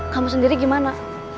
kamu sendiri gimana